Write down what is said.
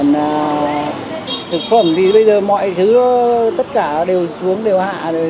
mà thực phẩm thì bây giờ mọi thứ tất cả đều xuống đều hạ rồi